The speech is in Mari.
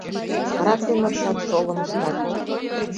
Рат дене оптат, шолым ыштат.